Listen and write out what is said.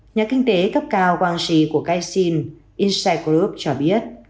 nhà kinh tế cấp cao quang sì của caixin insight group cho biết